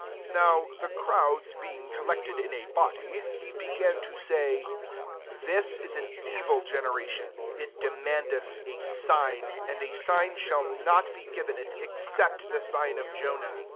29 Now the crowds being collected in a body, he began to say, " This is an evil gene* ration: it demandeth a sign; and a sign shall not be given it, except the si g^ of Jonah.